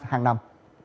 trong hàng năm